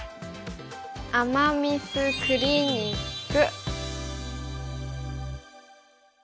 “アマ・ミス”クリニック。